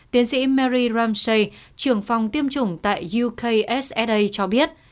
tiến sĩ mary ramsey trưởng phòng tiêm chủng tại ukssa cho biết